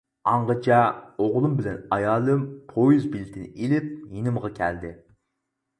ئاڭغىچە، ئوغلۇم بىلەن ئايالىم پويىز بېلىتىنى ئېلىپ يېنىمغا كەلدى.